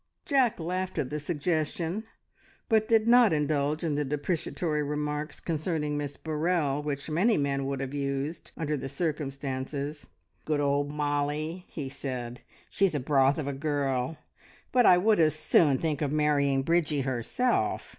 Jack laughed at the suggestion, but did not indulge in the depreciatory remarks concerning Miss Burrell which many men would have used under the circumstances. "Good old Mollie!" he said. "She's a broth of a girl, but I would as soon think of marrying Bridgie herself.